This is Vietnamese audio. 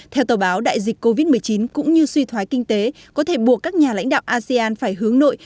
theo tờ báo đại dịch covid một mươi chín cũng như suy thoái kinh tế có thể buộc các nhà lãnh đạo asean phải hướng nội